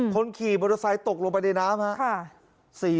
คนขี่มอเตอร์ไซค์ตกลงไปในน้ำครับ